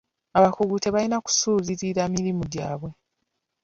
Abakungu tebalina kusuulirira mirimu gyabwe.